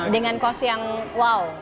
dengan kos yang wow